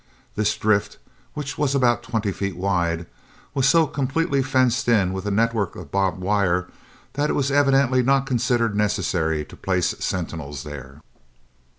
This drift, which was about twenty feet wide, was so completely fenced in with a network of barbed wire that it was evidently not considered necessary to place sentinels there.